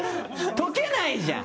溶けないじゃん！